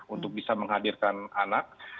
untuk bisa menghadirkan anak